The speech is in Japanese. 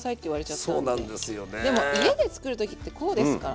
でも家で作る時ってこうですからね。